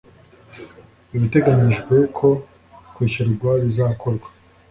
ibiteganyijwe ko kwishyurwa bizakorwa